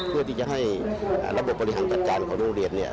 เพื่อที่จะให้ระบบบบริหารจัดการของโรงเรียนเนี่ย